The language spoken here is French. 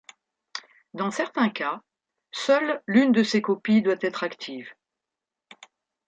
Dans certains cas, seule l'une de ces copies doit être active.